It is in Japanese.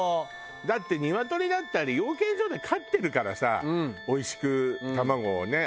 だってニワトリだってあれ養鶏場で飼ってるからさおいしく卵をね。